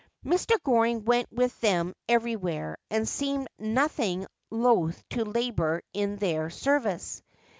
Mr. Goring went with them everywhere, and seemed nothing loth to labour in their service.